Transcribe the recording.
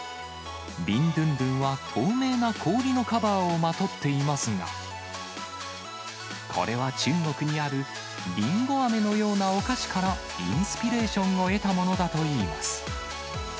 ビンドゥンドゥンは透明な氷のカバーをまとっていますが、これは中国にあるりんごあめのようなお菓子から、インスピレーションを得たものだといいます。